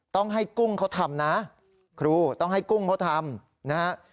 ต้องให้กุ้งเขาทำนะครูต้องให้กุ้งเขาทำนะฮะ